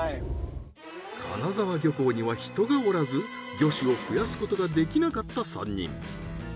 金沢漁港には人がおらず魚種を増やすことができなかった３人。